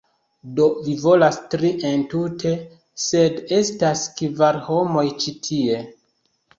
"Do, vi volas tri entute, sed estas kvar homoj ĉi tie